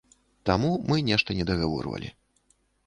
Таму мы нешта не дагаворвалі.